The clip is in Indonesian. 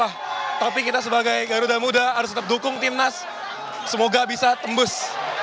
kalau misalnya go goer saat ini gak apa apa tapi kita sebagai garuda muda harus tetap dukung tim nas semoga bisa tembus